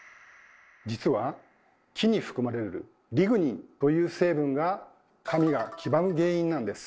実は木に含まれる「リグニン」という成分が紙が黄ばむ原因なんです。